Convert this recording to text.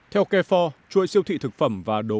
theo carrefour chuỗi siêu thị thực phẩm và đồ uống